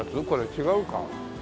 違うか。